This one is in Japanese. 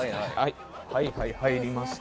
はいはい、入りました。